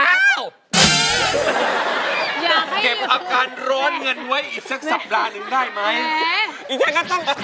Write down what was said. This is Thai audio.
เก็บอาการร้อนเงินไว้อีกสักสัปดาห์หนึ่งได้ไหม